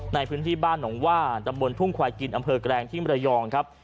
ในพื้นที่บ้านหนองว่าตำบลทุ่งควายกินอำเภอแกรงที่มรยองครับ